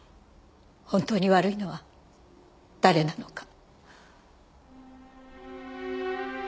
本当に悪いのは誰なのか。